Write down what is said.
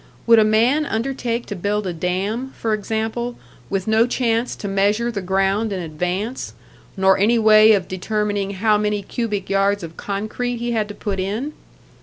Would a man undertake to build a dam, for example, with no chance to measure the ground in advance, nor any way of determining how many cubic yards of concrete he had to put in?